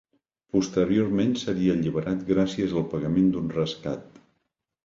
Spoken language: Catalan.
Posteriorment seria alliberat gràcies al pagament d'un rescat.